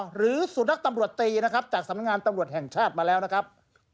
หรือสุนัขตำรวจตีนะครับจากสำนักงานตำรวจแห่งชาติมาแล้วนะครับ